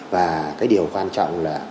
và cái điều quan trọng là